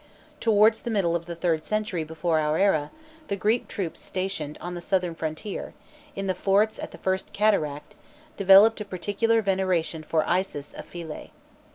Towards the middle of the third century before our era, the Greek troops stationed on the southern frontier, in the forts at the first cataract, developed a particular veneration for Isis of Philæ.